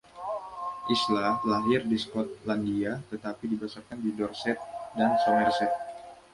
Isla lahir di Skotlandia tetapi dibesarkan di Dorset dan Somerset.